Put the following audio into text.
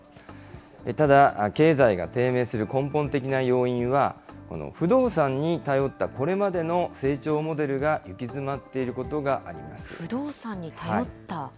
ただ経済が低迷する根本的な要因は、不動産に頼ったこれまでの成長モデルが行き詰まっていることがあ不動産に頼った？